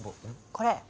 これ。